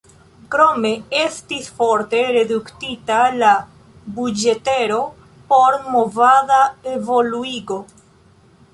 Krome estis forte reduktita la buĝetero por "movada evoluigo".